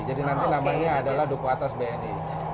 jadi nanti namanya adalah duku atas bni